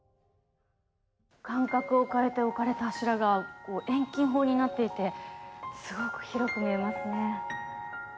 間隔を変えて置かれた柱がこう遠近法になっていてすごく広く見えますね。